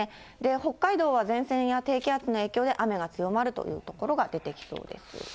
北海道は前線や低気圧の影響で、雨が強まるという所が出てきそうです。